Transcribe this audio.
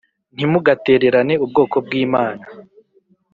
Ntimugatererane ubwoko bw’Imana